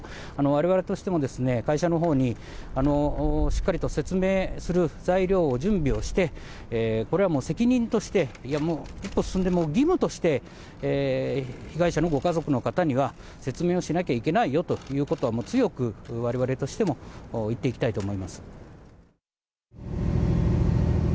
われわれとしても会社のほうに、しっかりと説明する材料を準備をして、これはもう責任として、一歩進んで義務として、被害者のご家族の方には、説明をしなきゃいけないよということを強く、われわれとしても言っていきたいと思います。